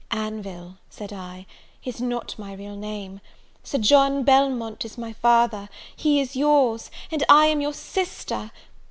"Anville," said I, "is not my real name; Sir John Belmont is my father, he is your's, and I am your sister!